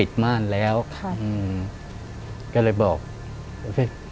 ช่วยด้วย